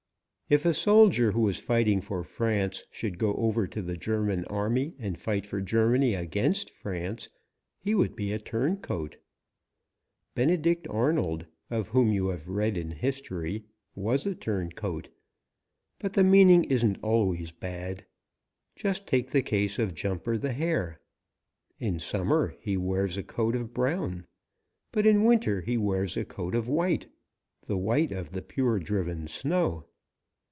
If a soldier who is fighting for France should go over to the German army and fight for Germany against France, he would be a turncoat. Benedict Arnold, of whom you have read in history, was a turncoat. But the meaning isn't always bad. Just take the case of Jumper the Hare. In summer he wears a coat of brown, but in winter he wears a coat of white, the white of the pure driven snow.